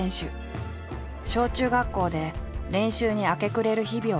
小中学校で練習に明け暮れる日々を送っていた。